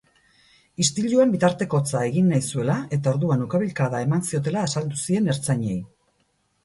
Istiluan bitartekotza egin nahi zuela eta orduan ukabilkada eman ziotela azaldu zien ertzainei.